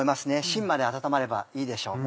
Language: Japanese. しんまで温まればいいでしょう。